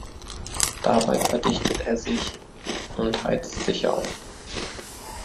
Dabei verdichtet er sich und heizt sich auf.